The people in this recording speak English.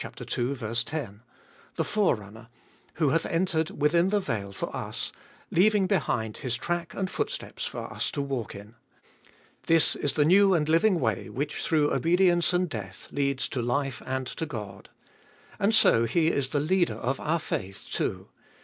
10), the Forerunner, who hath entered within the veil for us, leaving behind His track and footsteps for us to walk in. This is the new and living way which, through obedience and death, leads to life and to God. And so He is the Leader of our faith, too.